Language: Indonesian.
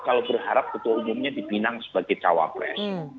kalau berharap ketua umumnya dipinang sebagai cawapres